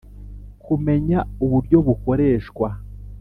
Kumenya uburyo bukoreshwa